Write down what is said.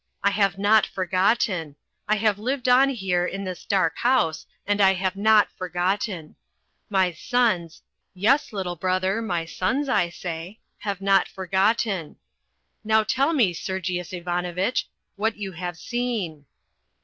I have not forgotten. I have lived on here in this dark house, and I have not forgotten. My sons yes, little brother, my sons, I say have not forgotten. Now tell me, Sergius Ivanovitch, what you have seen."